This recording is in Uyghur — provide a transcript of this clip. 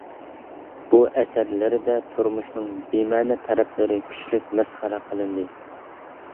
بۇ ئەسەرلىرىدە تۇرمۇشنىڭ بىمەنە تەرەپلىرى كۈچلۈك مەسخىرە قىلىندى.